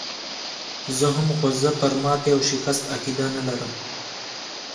زه هم، خو زه پر ماتې او شکست عقیده نه لرم.